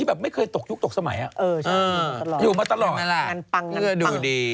เขาเซ็กซี่จี